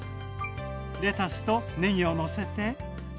レタスとねぎをのせて。